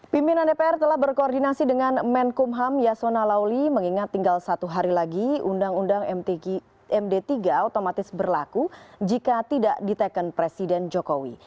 pimpinan dpr telah berkoordinasi dengan menkumham yasona lauli mengingat tinggal satu hari lagi undang undang md tiga otomatis berlaku jika tidak diteken presiden jokowi